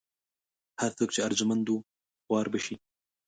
هر څوک چې ارجمند و خوار به شي.